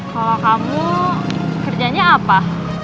kalau kamu kerjanya apa